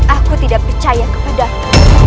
aku tidak percaya kepadamu